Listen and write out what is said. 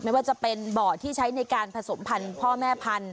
ไม่ว่าจะเป็นบ่อที่ใช้ในการผสมพันธุ์พ่อแม่พันธุ